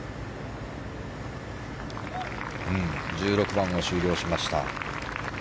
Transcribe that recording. １６番を終了しました。